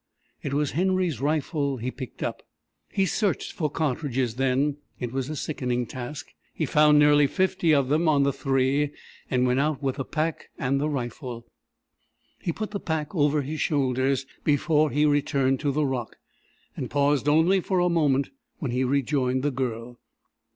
It was Henry's rifle he picked up. He searched for cartridges then. It was a sickening task. He found nearly fifty of them on the three, and went out with the pack and the rifle. He put the pack over his shoulders before he returned to the rock, and paused only for a moment, when he rejoined the Girl.